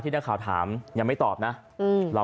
เสียงของหนึ่งในผู้ต้องหานะครับ